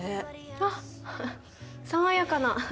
あっ爽やかな。